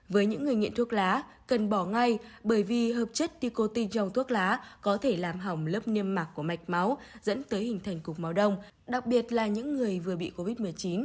với những người nghiện thuốc lá cần bỏ ngay bởi vì hợp chất ticotigong thuốc lá có thể làm hỏng lớp niêm mạc của mạch máu dẫn tới hình thành cục máu đông đặc biệt là những người vừa bị covid một mươi chín